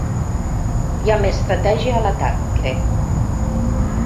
I amb estratègia a l’atac, crec.